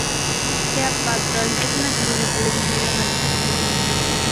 Sea Patrol es una serie de televisión dramática.